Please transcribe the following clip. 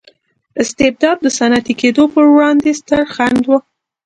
استبداد د صنعتي کېدو پروړاندې ستر خنډ و.